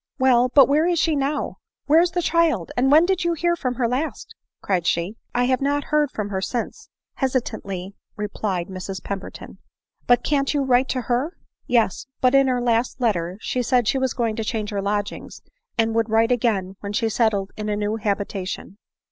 " Well — but where is she now ? where is the child ? and when did you hear from her last ?" cried she. " I have not heard from her since," hesitatingly replied Mrs Pemberton. " But can't you write to her?" " Yes ; but in her last letter she said she was going to change her lodgings, and would write again when settled in a new habitation."